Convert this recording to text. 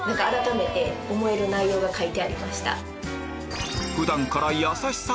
改めて思える内容が書いてありました。